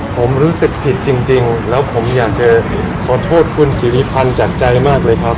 ผมรู้สึกผิดจริงแล้วผมอยากจะขอโทษคุณสิริพันธ์จากใจมากเลยครับ